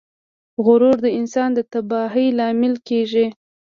غرور د انسان د تباهۍ لامل کیږي.